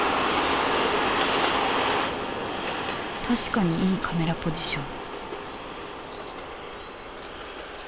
確かにいいカメラポジション